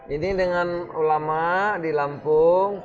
ini dengan ulama di jawa tenggara